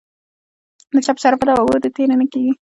د چا په شرافت او ابرو دې تېری نه کیږي.